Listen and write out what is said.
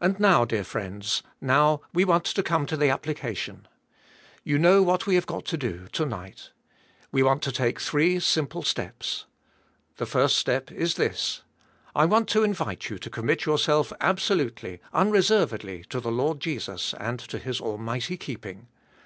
And now, dear friends, now we want to come to the application. You know what we have got to do, to night. We want to take three simple steps. The first step is this: I want to invite you to com mit yourself absolutely, unreservedly to the Lord Jesus and to His almighty keeping.